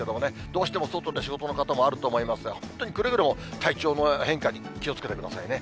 どうしても外で仕事の方もあると思いますから、本当にくれぐれも体調の変化に気をつけてくださいね。